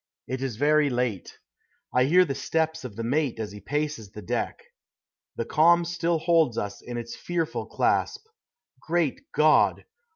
It is very late. I hear the steps of the mate as he paces the deck. The calm still holds us in its fearful clasp. Great God!